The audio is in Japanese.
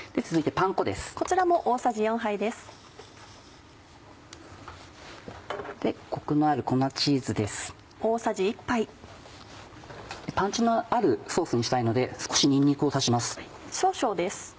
パンチのあるソースにしたいので少しにんにくを足します。